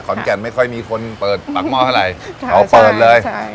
ขอนแก่นไม่ค่อยมีคนเปิดปักมอดอะไรเขาเปิดเลยใช่